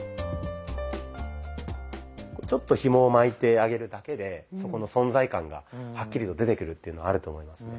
ちょっとひもを巻いてあげるだけでそこの存在感がはっきりと出てくるっていうのはあると思いますね。